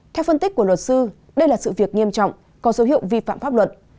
theo phân tích của luật sư đây là sự việc nghiêm trọng có dấu hiệu vi phạm pháp luật